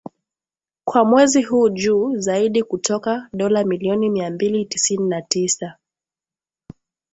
kwa mwezi huu juu zaidi kutoka dola milioni mia mbili tisini na tisa